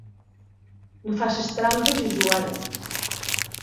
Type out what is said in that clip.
No facis trampes i juga net.